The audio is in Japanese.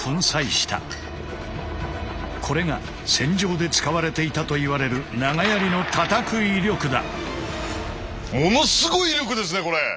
これが戦場で使われていたといわれる長槍のたたく威力だ。